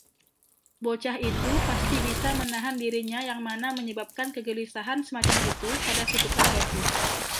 Bocah itu pasti bisa menahan dirinya yang mana menyebabkan kegelisahan semacam itu pada si tukang roti.